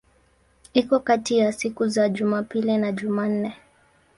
Iko kati ya siku za Jumapili na Jumanne.